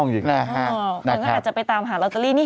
มันก็อาจจะไปตามหาลอตเตอรี่นี่